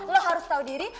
lo harus tau diri